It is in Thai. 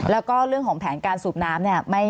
แล้วก็เรื่องของแผนการสูบน้ำไม่ใช่แน่แล้ว